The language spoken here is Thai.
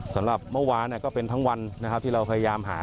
สำหรับเมื่อวานก็เป็นทั้งวันนะครับที่เราพยายามหา